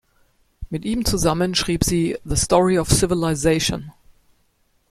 Mit ihm zusammen schrieb sie "The Story of Civilization".